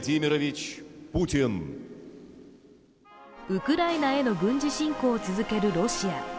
ウクライナへの軍事侵攻を続けるロシア。